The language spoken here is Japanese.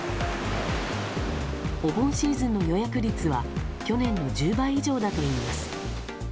お盆シーズンの予約率は去年の１０倍以上だといいます。